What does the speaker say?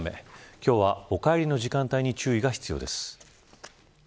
今日は、お帰りの時間帯に注意が必要です。